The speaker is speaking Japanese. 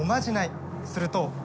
すると。